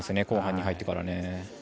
後半に入ってから。